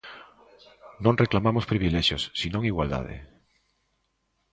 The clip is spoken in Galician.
Non reclamamos privilexios, senón igualdade.